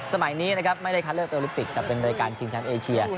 สมัยนี้ไม่ได้คัดเลือกเป็นโอลิปิกแต่เป็นรายการจีนชั้นเอเชีย